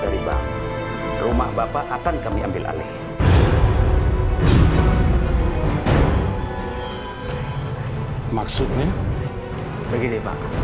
tanah dan rumahnya bapak sudah dijual sama anak anaknya bapak